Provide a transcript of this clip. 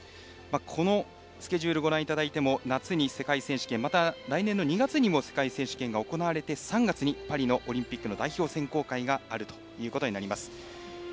このスケジュールをご覧いただいても夏に世界選手権、来年の２月にも世界選手権が行われて３月にパリのオリンピックの代表選考会があるということになります。